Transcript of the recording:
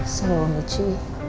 assalamualaikum mami ji